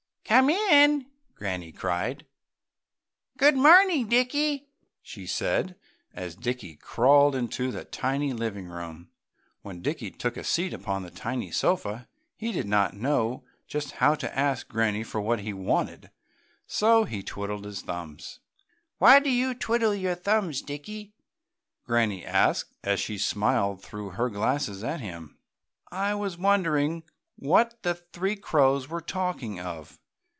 "Come in!" Granny cried. "Good morning, Dickie!" she said, as Dickie crawled into the tiny living room. When Dickie took a seat upon a tiny sofa he did not know just how to ask Granny for what he wanted, so he twiddled his thumbs. "Why do you twiddle your thumbs, Dickie?" Granny asked, as she smiled through her glasses at him. "I was wondering what the three crows were talking of!"